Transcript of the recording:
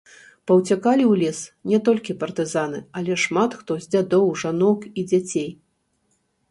Паўцякалі ў лес не толькі партызаны, але шмат хто з дзядоў, жанок і дзяцей.